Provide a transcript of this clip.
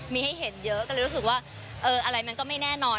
มีให้เห็นเยอะก็เลยรู้สึกว่าเอออะไรมันก็ไม่แน่นอน